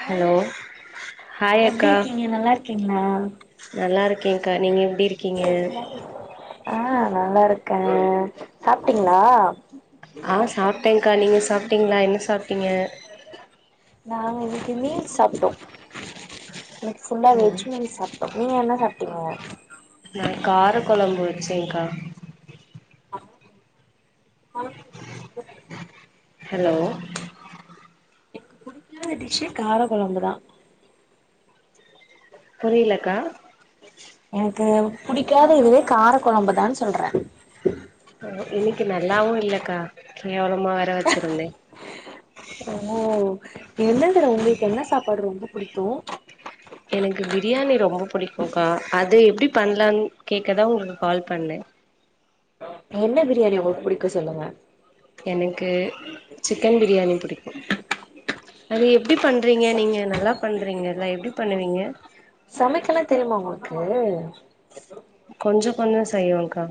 hi hi எப்டி அக்கா இருக்கீங்க நல்லா இருக்கீங்ளா நல்லா இருக்கேகா நீங்க இருக்கீங்க ஆ நல்லா இருக்கே சாப்ட்டீங்ளா ஆ சாப்ட்டேகா நீங்க சாப்ட்டீங்ளா என்ன சாப்ட்டீங்க நாங்க இன்னிக்கு மீல்ஸ் சாப்ட்டோம் இன்னிக்கு ஃபுல்லா ம் வெஜ் மீல் சாப்ட்டோ நீங்க என்ன சாப் [unintelligible] நா கார கொழம்பு வச்சேகா ஆ நேத்திக் கார கொழம்பு தா ஹலோ என்னோட டிஷ்ஸே கார கொழம்புதா புரிலகா எனக்கு புடிக்காத இதுவே கார கொழம்புதானு சொல்றே இன்னிக்கு நல்லாவு இல்லகா கேவலமா வர வச்சிருந்தே எந்ததுல ஒங்ளுக்கு என்ன சாப்பாடு ரொம்ப புடிக்கு எனக்கு பிரியாணி ரொம்ப புடிக்குகா அது எப்டி பண்லான்னு கேக்கதா ஒங்ளுக்கு கால் பண்ணே என்ன பிரியாணி ஒங்ளுக்கு புடிக்கு சொல்லுங்க எனக்கு சிக்கன் பிரியாணி புடிக்கு அது எப்டி பண்றீங்க ச நீங்க நல்லா பண்றீங்கல எப்டி பண்ணுவீங்க எவ்ளோ வேனு கொஞ்சோ செய்வேகா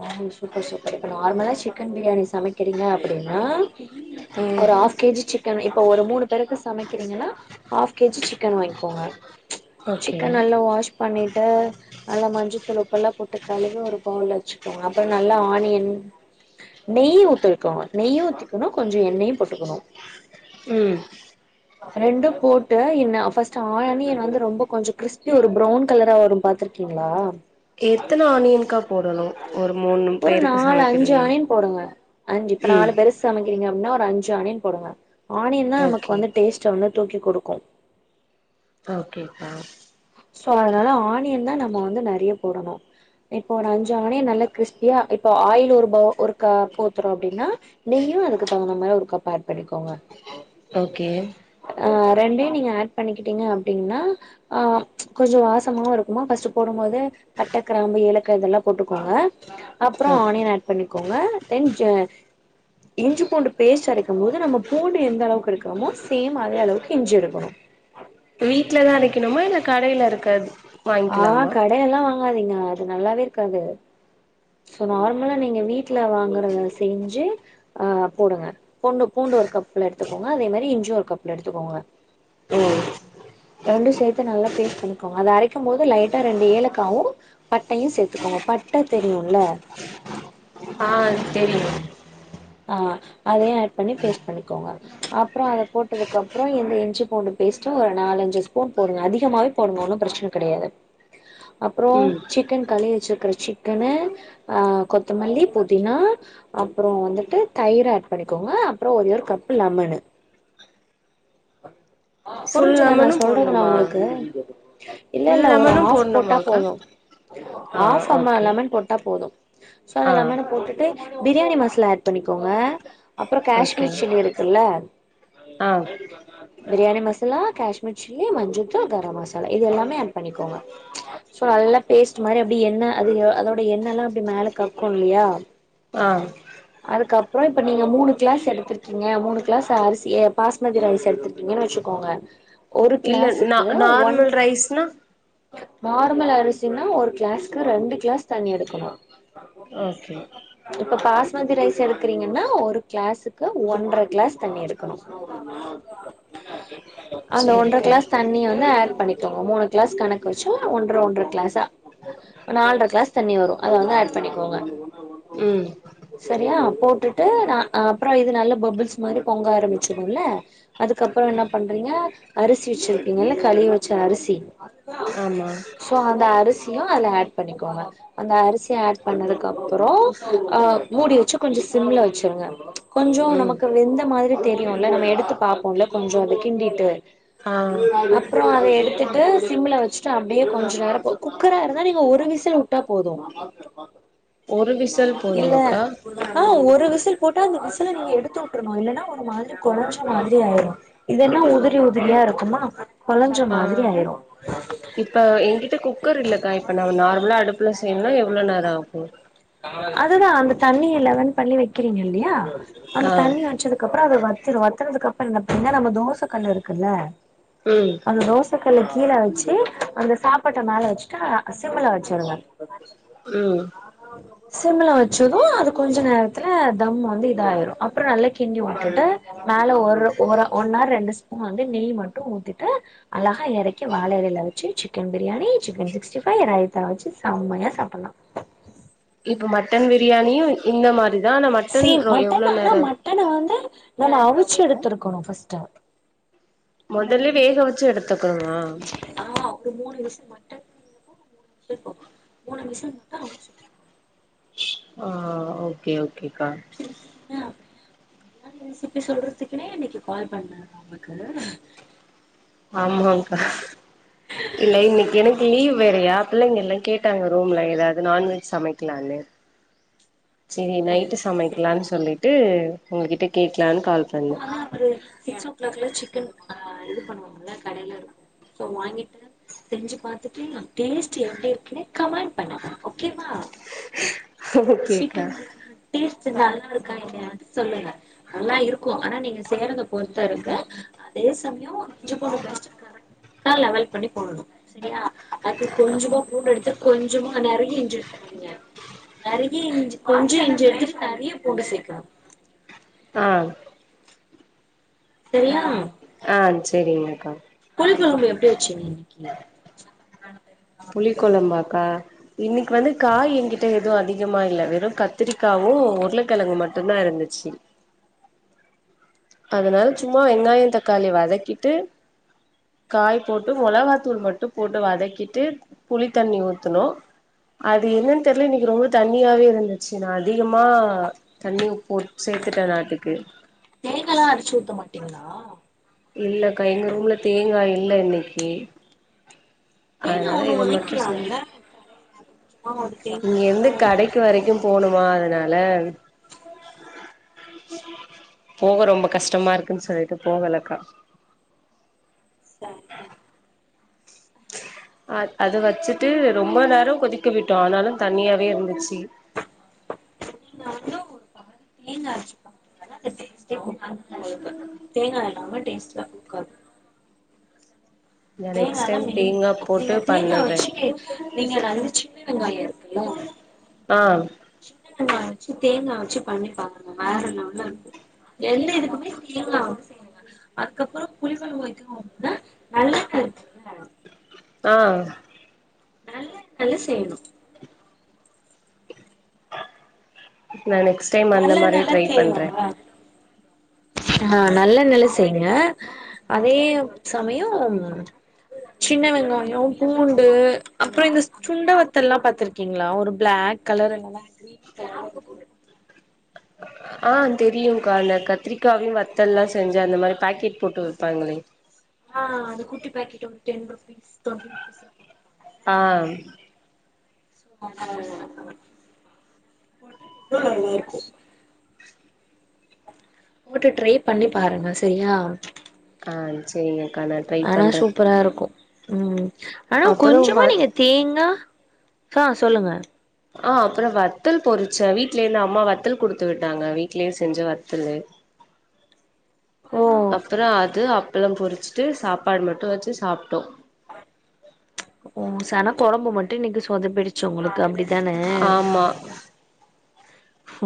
ஆ சூப்பர் சூப்பர் இப்ப நார்மலா சிக்கன் பிரியாணி சமைக்கிறீங்க அப்டின்னா ம் ஒரு ஹாஃப் கேஜி சிக்கன் இப்ப ஒரு மூனு பேருக்கு சமக்கிறீங்கனா ஹாஃப் கேஜி சிக்கன் வாங்கிக்கோங்க ஓகே சிக்கன் நல்லா வாஷ் பண்ணிட்டு நல்லா மஞ்ச தூள் உப்பெல்லா போட்டு கழுவி ஒரு பவுல்ல வச்சுக்கோங்க அப்றோ நல்லா ஆனியன் நெய் ஊத்திக்கோங்க நெய்யு ஊத்திக்கனு கொஞ்சோ எண்ணெயு போட்டுக்கனு ம் ரெண்டு போட்டு என்ன ஃபர்ஸ்ட்டு ஆனியன் வந்து ரொம்போ கொஞ்சோ கிறிஸ்பி ஒரு பிரௌன் கலரா வரு பாத்துருக் கீங்ளா எத்தன ஆனியன்க்கா போடணு ஒரு மூணு ஒரு பேருக்கு நாலு அஞ்சி சமைக்கணுன்னா ஆனியன் போடுங்க அஞ் இப்ப நாலு ம் பேருகு சமைக்கிறீங்க அப்பனா ஒரு அஞ்சு ஆனியன் போடுங்க ஆனியன் தா நமக்கு ஓகே வந்து ட்டோம்னா தூக்கிக் குடுக்கு ஓகேகா சோ அதனால ஆனியன் தா நம்ப வந்து நெறைய போடனு இப்போ ஒரு அஞ்சு ஆனியன் நல்லா கிரிஸ்பியா இப்ப ஆயில் ஒரு பவ் ஒரு க ஊத்துரோ அப்டின்னா நெய்யு அதுக்கு தகுந்த மாரி ஒரு கப் ஆட் பண்ணிகோங்க ஓகே ஆ ரெண்டையு நீங்க ஆட் பண்ணிக்கிட்டீங்க அப்டின்னா ஆ கொஞ்சோ வாசமாவு இருக்குமா ஃபர்ஸ்ட்டு போடும் போது பட்ட கிராம்பு ஏலக்கா இதெல்லா போட்டுக்கோங்க அப்றோ ஓ ஆனியன் ஆட் பண்ணிக்கோங்க தென் இஞ்சி பூண்டு பேஸ்ட் அரைக்கும் போது நம்ப பூண்டு எந்த அளவுக் எடுக்குறமோ சேம் அதே அளவுக்கு இஞ்சி எடுக்குனு வீட்லதா அரைக்கனுமா இல்ல கடையில இருக்கது ஆ வாங்கிக்கலாமா கடை எல்லா வாங்காதீங்க அது நல்லாவே இருக்காது சோ நார்மலா நீங்க வாங்குறத வாங்கறத செஞ்சு அ போடுங்க பூண்டு பூண்டு ஒரு கப்ல எடுத்துக்கோங்க அதே மாரி இஞ்சி ஒரு கப்ல எடுத்துக்கோங்க ம் ரெண்டு சேர்த்து நல்லா பேஸ்ட் பண்ணிக்கோங்க அத அரக்கிம்போது லைட்டா ரெண்டு ஏலக்காவு பட்டயு சேத்துக்கோங்க பட்ட தெரியுல்ல அ தெரியு ஆ அதயு ஆட் பண்ணி பேஸ்ட் பண்ணிக்கோங்க அப்றோ அத போட்டதுக்கு அப்றோ எந்த இஞ்சி பூண்டு பேஸ் ஒரு நாலஞ்சு ஸ்பூன் போடுங்க அதிகமாவே போடுங்க ஒன்னு பிரச்சன கடையாது அப்றோ ம் சிக்கன் கழவி வச்சிருக்குற சிக்கன அ கொத்தமல்லி புதினா அப்றோ வந்துட்டு தயிர ஆட் பண்ணிக்கோங்க அப்றோ ஒரே ஒரு கப்பு லெமனு ஃபுல் புரிஞ்சுதா நா லெமனு சொல்றது நா போட்ணுமா உங்களுக்கு இல்ல ஃபுல் இல்ல ஒரு லெமனு ஆஃப் போட்டா போட்ணுமாக்கா போது ஆ ஆஃப் அம ஓகே எல்லாமே போட்டா போது சோ அது ஆ லெமமன போட்டுட்டு பிரியாணி மசாலா ஆட் பண்ணிக்கோங்க அப்ற ஓகே காஷ்மீர் சில்லி இருக்குல்ல ஆ பிரியாணி மசாலா காஷ்மீர் சில்லி மஞ்சத்தூள் கரம் மசாலா இது எல்லாமே ஆட் பண்ணிக்கோங்க சோ அத் நல்லா பேஸ்ட் மாரி அப்டி எண்ணய் அது அதோட எண்ணலா அப்டி மேல கக்கோ இல்லயா ஆ அதுக்கப் அப்றோ இப்ப நீங்க மூணு கிளாஸ் எடுத்திருக்கீங்க மூணு கிலாஸ் அரிசி பாஸ்மதி ரைஸ் எடுத்துக்கீங்க கிங்கனு வச்சுக்கோங்க ஒரு இல்ல நா கிளாசுக்கு ஒன் நார்மல் ரைஸ்னா நார்மல் அரிசினா ஒரு கிளாஸ்க்கு ரெண்டு கிளாஸ் தண்ணி எடுக்கணு ஓகே பாஸ்மதி ரைஸ் எடுக்கறீங்கனா ஒரு கிளாசுக்கு ஒன்றர கிளாஸ் தண்ணி எடுக்கணோ அந்த ஒன்ற சேரிக்கா கிளாஸ் தண்ணி வந்து ஆட் பண்ணி மூணு கிளாஸ் கணக்கு வச்சி ஒன்ற ஒன்ற கிளாசா நாலரை கிளாஸ் தண்ணி வரும் அத வந்து ஆட் பண்ணிக்கோங்க ம் சரியா போட்டுட்டு அ அப்றோ இது நல்ல பபிள்ஸ் மாரி பொங்க ஆரம்பிச்சிடுல அதுக்கு அரிசி வச்சிருப்பீங்கல்ல களுவி வச்ச அரிசி ஆமா சோ அந்த அரிசியும் அதுல ஆட் பண்ணிக்கோங்க அந்த அரிசி ஆட் பண்ணதுக்கு அப்புறம் அ மூடி வச்சு கொஞ்சம் சிம்ள வச்சிருங்க கொஞ்ச ம் நமக்கு வெந்த மாதிரி தெரியும்ல நம்ம எடுத்து பார்ப்போம்ல கொஞ்ச அத கிண்டிட்டு ஆ அப்புறம் அத எடுத்து ட்டு சிம்ல வச்சுட்டு அப்படியே கொஞ்சம் நேரம் குக்கரா இருந்தா நீங்க ஒரு விசல் விட்டா போதும் ஒரு விசல் இல்ல போதுமாக்கா ஆ ஒரு ஒரு விசில் போட்டால் அந்த விசல நீங்க எடுத்து விட்டுருணும் இல்லன்னா ஒரு மாதிரி கொளஞ்ச மாதிரி ஆயிடும் இதென உதிரி உதிரியா இருக்குமா குலைஞ்ச ஆ மாதிரி ஆயிரும் இப்ப எ கிட்ட குக்கர் இல்லக்கா இப்ப நம்ம நார்மலா அடுப்புல செய்யணும்னா எவ்வளவு நேரம் ஆகும் அதுதா அந்த தண்ணிய லெவன் பண்ணி வைக்கிறீங்க இல்லையா ஆ அந்த தண்ணி வச்சதுக்கு அப்புறம் அத வத்திரும் வத்தறதுக்கு அறம் என்ன பண்ணுவீங் நம்ம தோச கல் இருக்குல்ல உம் அந்த தோச கல் கீழ வச்சு அந்த சாப்பாட்ட மேல வச்சுட்டு சிம்மல வச்சடுங்க ம் சிம்மல வச்சதும் அது கொஞ்ச நேரத்துல தம் வந்து இதாயிடும் அப்புறம் நல்லா கிண்டி விட்டுட்டு மேல ஒரு ஒரு ஒன்ர் ரெண்டு ஸ்பூன் வந்து நெய் மட்டும் ஊத்திட்டு அழகா இறக்கி வாழஇலைல வச்சு chicken biryani chicken chicken sixty five வச்சு செம்மையா சாப்பிடலாம் இப்ப ம ட்டன் பிரியாணியும் இந்த மாதிரிதா ஆனா மட்டன் சேம் ரோ மட்டன் எவ்ளவு நேரம் ஆகு சி எடுத்துருக்கணு ஃபர்ஸ்ட் முதல்ல வேக வச்சு எடுத்துக்கணுமா ஆ ஒரு மூணு மட்டன் க்கு மூணு விசில் போது மூணு விசில் விட்டு அவிச்சு எடுத்துக்ணு ஆ ஓகே ஓகேக்கா எடுத்துட்டீங்க அப்டின்னா பிரியாணி ரெசிபி சொல்றத்துக்குன்னே இன்னைக்கு கால் பண்ணனா உங்குளுக்கு ஆமாங் கா இல்ல இன்னைக்கு எனக்கு லீவ் வேறயா பிள்ளைங்க எல்லா கேட்டாங்க ரூம்ல எதாது நான் வெஜ் சமைக்கலான்னு செரி நைட்டு சரி சமைக்கலான் சொல்லிட்டு ஒங்ககிட்ட கே [unintelligible] சிக்ஸ் ஓ கிளாக்ல சிக்கன் ஆ இது பண்ணுவாங்கல்ல கடைலருக்கு சோ வாங்கிட்டு செஞ்சு பாத்துட்டு டேஸ்ட் எப்டி இருக்குன்னு கமெண்ட் பண்ணுங்க ஓகேவா [unintelligible] ஓகேக்கா சிக்கன் பிரியானி டே சு நல்லாருக்கா இல்லையானு சொல்லுங்க நல்லாருக்கு ஆனா நீங்க செய்றத பொறுத்து இருக்கு அ அதே சமயோ இஞ்சி பூண்டு பேஸ்ட்டு கரெ டா லெவல் பண்ணி போடணு செரியா அதுக்கு கொஞ்சமா பூண்டு எடுத்து கொஞ்சமா நறைய இஞ்சி எடு [unintelligible] நறைய இஞ் கொஞ்சோ இஞ்சி எடுத்து நறைய பூண்டு சேக்கணு ஆ செரியா ஆ செரிங்கக்கா புளி கொழம்பு எப்டி வச்சுங்க இன்னைக்கு புளி கொலம்பா க் கா இன்னைக்கு வந்து காய் என்கிட்ட எது அதிகமா இல்ல வெறு கத்திரிக்காவு உருள கெழங்கு மட் மட்டுந்தா இருந்துச்சு ஆ அதனால சும்மா வெங்காயோ தக்காளி வதக்கிட்டு காய் போட்டு மொளகாத்தூள் மட்டு போட்டு வதக்கிட்டு புளி தண்ணி ஊத்துணு அது என்னன் தெர்ல இன்னைக்கு ரொம்ப தண்ணியாவே இருந்துச்சு நா அதிகமா தண்ணி போ சே த்துட்டே நாட்டுக்கு தேங்காலா அரச்சு ஊத்த மாட்டீங்ளா இல்லக்கா எங்க ரூம்ல தேங்கா இல்ல இன்னைக்கு தேங்கா அனால ஒண்ணு இத மட்டு செ ஒதைக்கலாம்ல சும்மா ஒரு தேங்கா மட்டு இங்கேருந்து கடைக்கு ஒதைக்கலாம்ல வரைக்கு போணுமா அதனா ல போக ரொம்ப கஷ்டமாருக்குன் சொல்லிட்டு போகலக்கா சரிதா ஆ அத வச்சிட்டு ரொம்ப நேரோ கொதிக்க விட்டோ ஆனாலு தண்ணியாவே இருந்துச்சி இன்னு ஒருத்தவங்க தேங்கா அரச்சி [unintelligible] ஊத்த மாட்டாங்க ஆனா தேங்கா [inaudible] தேங்கா அரச் [unintelligible] டேஸ்டா நா [inaudible] நெக்ஸ்ட் தேங்காதா டைம் மெயின் தேங்கா போட்டு நீங்க தேங்கா பண்ணுறே வச்சி நீங்க வந்து சின்ன வெங்காயோ இருக்குல்ல ஆ சின்ன வெங்காயோ வச்சி தேங்கா வச்சி பண்ணி பாருங்க வேற லெவல்லருக்கு எந்த இதுக்குமே தேங்கா வந்து [unintelligible] அதுக்கப்றோ புளி கொழம்பு வக்கணு அப்டின்னா நல்லெண்ண இருக்குல்ல ஆ நல்லெண்ணெல செய்ணு நா நெக்ஸ்ட் டைம் அந்த மாரி நல்லெண்ணெல ட்ரை பண்றே செய்வாங்க ஆ நல்லெண்ணெல செய்ங்க அதே சமயோ சின்ன வெங்காயோ பூண்டு அப்றோ இந்த சுண்ட வத்தல்லா பாத்துருக்கீங்ளா ஒரு பிளாக் கலர் இல்லனா க்ரீன் கலர் ஆ தெரியுங்கா இந்த கத்திரிக்காவியு வத்தல்லா செஞ்சி அந்த மாரி பாக்கெட் போட்டு விப்பாங்களே ஆ அந்த குட்டி பேக்கிட் ஒன்னு டென் ருபீஸ் டொண்ட்டி ருபீஸ்லா ஆ போட்ருப்பாங்கல சோ அத்னால கவர் [inaudible] தோட நேத்து போட்டு ட்ரை பண்ணி பாருங்க செரியா ஆ செரிங்க ஆனா சூப்பராருக்கூ ம் ஆனா அப்பறோ கொஞ்சமா வத் நீங்க தேங்கா ஹா சொல்லுங்க ஆ அப்றோ வத்தல் பொரிச்சே வீட்லேந்து அம்மா வத்தல் குடுத்து விட்டாங்க வீட்லயே செஞ்ச வத்தலு ஓ அப்றோ அது அப் ப்ளோ பொரிச்சிட்டு சாப்பாடு மட்டு வச்சி சாப்ட்டோ ஓ சன கொழம்பு மட்டு இன்னிக்கி சொதப்பிடுச் சு உங்குளுக்கு அப்டிதானே ஆமா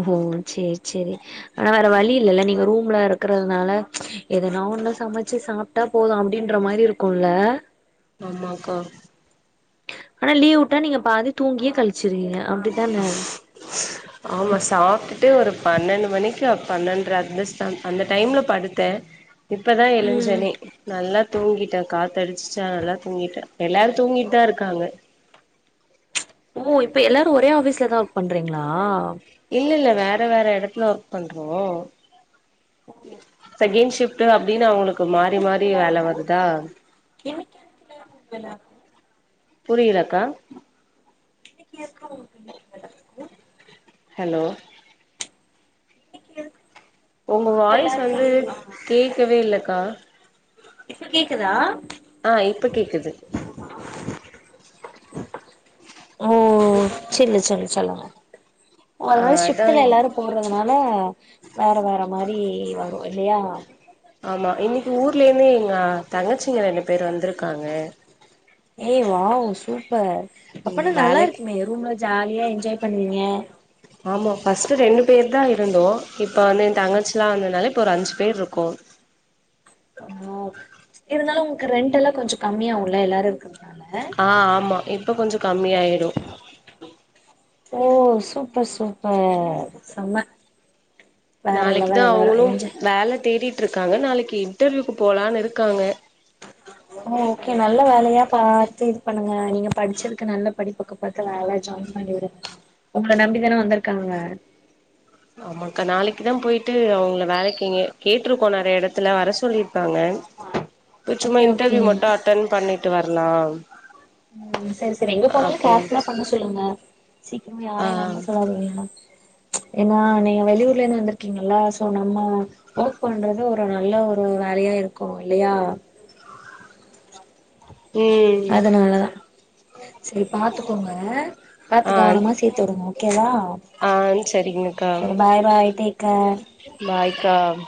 ஓ சேர் செரி ஆனா வேற வழி இல்லல்ல நீங்க ரூம்ல இருக்றதுனால எதனா ஒன்னு சமச்சி சாப்ட்டா போது அப்டின்ற மாரி இருக்கூல்ல ஆமாக்கா ஆனா லீவ் வுட்டா நீங்க பாதி தூங்கியே கழ்ச்சி ஆமா சாப்ட்டுட்டு ஒரு பன்னெண்டு மணிக்கு அப் பன்னெண்ட்ர அண்டர்ஸ்டான் அந்த டைம்ல படுத்தே இப்ப தா ம் எழுஞ்சனே நல்லா தூங்கிட்டே காத்தடிச்சிச்சா நல்லா தூங்கிட்டே எல்லாரு தூங்கிட்தா இருக்காங்க ஓ இப்ப எல்லாரு ஒரே ஆஃபீஸ்ல தா ஒர்க் பண்றீங்ளா இல்லல்ல வேற வேற எடத்ல ஒர்க் பண்றோ ஆமா செகேண்ட் ஷிஃப்ட் அப்டின்னு அவுங்குளுக்கு மாறி மாறி வேல வருதா என்ன புரீலக்கா இன்னிக்கி எங்க உங்கண்ணுக்கு நல்லாருக்கூ ஹலோ இன்னிக்கி இருக் ஒங்க வாய்ஸ் வந்து கேக்கவே இல்லக்கா இப்ப கேக்குதா ஆ இப்ப கேக்குது ஓ செல்லு சொல்லு சொல்லுங்க ஓ ஆ அத்னால் அதா ஷிஃப்ட்டுல எல்லாரூ போறதுனால வேற வேற மார் ரி வரூ இல்லியா ஆமா இன்னிக்கு ஊர்லேந்து எங்க தங்கச்சிங்க ரெண்டு பேரு வந்திருக்காங்க ஏய் வாவ் சூப்பர் ம் அப்பனா வேலைக்கு நல்லாருக்குமே ரூம்ல ஜாலியா என்ஜாய் பண்வீங்க ஆமா ஃபஸ்ட்டு ரெண்டு பேரு தா இருந்தோ இப்ப வந்து எந்தங்கச்சுலா வந்து னால இப்ப ஒரு அஞ்சு பேர் இருக்கோ ஓ இருந்தாலு உங்களுக்கு ரென்ட்டெல்லா கொஞ்சோ கம்மியாவூல எல்லாரு இருக்குர் ஆ ஆமா இப்ப கொஞ்ச கம்மி ஆயிரு ஓ சூப்பர் சூப்பர் செம நாளைக்கு தா அவுங்குளும் வேல தேடிட் ட்ருக்காங்க நாளைக்கி இன்டர்வியூக்கு போலான் இருக்காங்க ஓ ஓகே நல்ல வேலையா பாத்து இது பண்ணுங்க நீங்க படிச்சுருக்க நல்ல படிப்புக்கு பாத்த வேல ஜா உங்ள நம்பி தானே வந்திருக்காங்க ஆமாங்க்கா நாளைக்கு தா போயிட்டு அவுங்கள வேலைக்கு இங்க கேட்டுருக்கோ நறைய எடத்துல வர சொல்லி தாங்க சும்மா ஓகே ஓகே இன்ர்வியூ மட்டு அடேன் பண்ணிட்டு வரலா உம் செரி செரி எங்க போனாலு அப்டின் கேர்புல்லா பண்ண சொல்லுங்க சீக்கிரமா ஆ யாரையு நம்ம சொல்லாதீங்க ஏன்னா நீங்க வெளியூர்லந்து வந்துருக்கீங்களா சோ நம்ம ஒக் பண்றது ஒரு நல்ல ஒரு வேலயா இருக்கு இல்லையா ம் அதனாலதா செரி பாத்துக்கோங்க ஆ பாத்து கவனமா சேத்துவிடுங்க ஓகேவா ஆ சரிங்கக்கா செரி பாய் பாய் டேக் கேர் பாய்க்கா